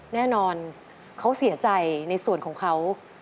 แน่นอนเขาเสียใจในส่วนของเขา